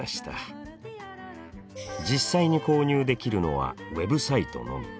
実際に購入できるのはＷＥＢサイトのみ。